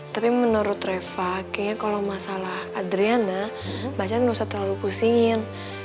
tapi menurut reva kayaknya kalau masalah adriana bacaan nggak usah terlalu pusingin